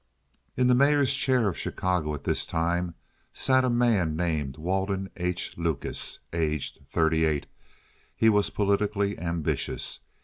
In the mayor's chair of Chicago at this time sat a man named Walden H. Lucas. Aged thirty eight, he was politically ambitious.